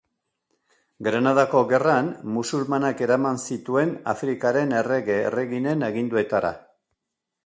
Granadako Gerran musulmanak eraman zituen Afrikaren errege-erreginen aginduetara.